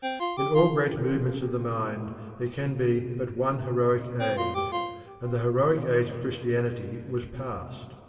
In all great movements of the mind there can be but one heroic age, and the heroic age of Christianity was past.